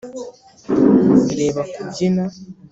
reba kubyina,